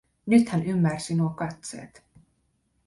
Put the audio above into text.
Nyt hän ymmärsi nuo katseet.